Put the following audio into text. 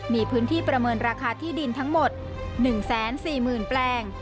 มีพื้นที่ประเมินราคาที่ดินทั้งหมด๑๔๐๐๐แปลง